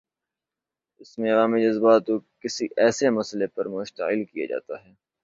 اس میں عوامی جذبات کو کسی ایسے مسئلے پر مشتعل کیا جاتا ہے۔